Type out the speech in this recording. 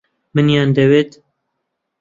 منیان دەوێت.